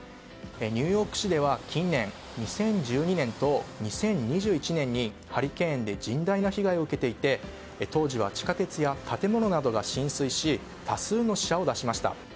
ニューヨーク市では、近年２０１２年と２０２１年にハリケーンで甚大な被害を受けていて当時は地下鉄や建物などが浸水し多数の死者を出しました。